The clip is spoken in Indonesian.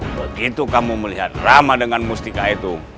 begitu kamu melihat ramah dengan mustika itu